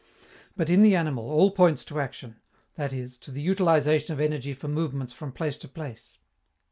But, in the animal, all points to action, that is, to the utilization of energy for movements from place to place.